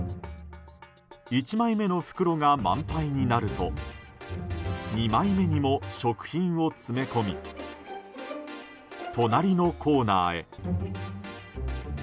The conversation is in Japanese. １枚目の袋が満杯になると２枚目にも食品を詰め込み隣のコーナーへ。